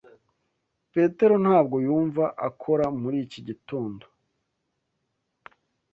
Petero ntabwo yumva akora muri iki gitondo.